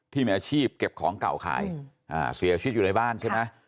ที่มีอาชีพเก็บของเก่าขายเสียชีวิตอยู่ในบ้านใช่ไหม